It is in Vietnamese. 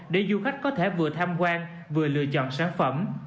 để du khách có thể vừa tham quan vừa lựa chọn sản phẩm